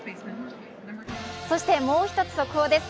そしてもう一つ速報です。